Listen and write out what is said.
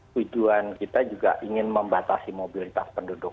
tujuan kita juga ingin membatasi mobilitas penduduk